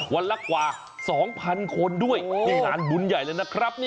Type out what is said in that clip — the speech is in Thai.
วันละกว่า๒๐๐๐คนด้วยนี่งานบุญใหญ่เลยนะครับ